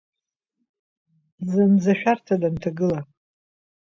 Зынӡак ашәарҭа данҭагыла…